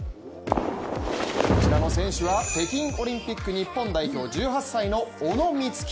こちらの選手は北京オリンピック日本代表、１８歳の小野光希。